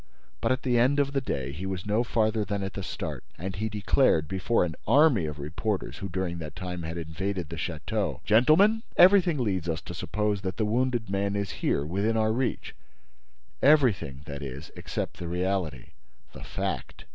But at the end of the day he was no farther than at the start; and he declared, before an army of reporters who, during that time, had invaded the château: "Gentlemen, everything leads us to suppose that the wounded man is here, within our reach; everything, that is, except the reality, the fact.